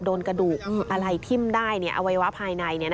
โดนกระดูกอะไรทิ้มได้อวัยวะภายใน